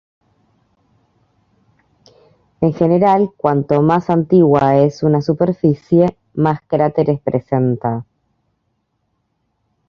En general, cuanto más antigua es una superficie, más cráteres presenta.